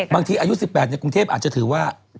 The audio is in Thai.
อายุ๑๘ในกรุงเทพอาจจะถือว่า